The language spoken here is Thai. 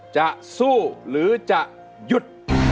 จะสู้หรือจะหยุด